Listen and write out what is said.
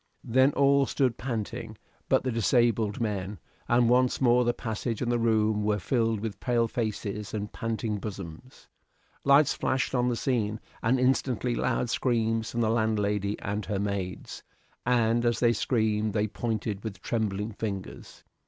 Then all stood panting but the disabled men, and once more the passage and the room were filled with pale faces and panting bosoms. Lights flashed on the scene, and instantly loud screams from the landlady and her maids, and as they screamed they pointed with trembling fingers.